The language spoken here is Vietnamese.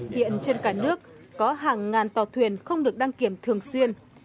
hiện trên cả nước có hàng ngàn tàu thuyền không được đăng kiểm thường xuyên